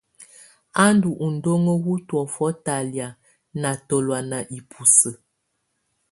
Á ndù udɔŋó wù tɔ̀ófɔ talɛ̀á ná tɔlɔ̀á ná ibusǝ́.